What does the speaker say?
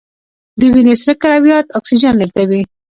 د وینې سره کرویات اکسیجن لیږدوي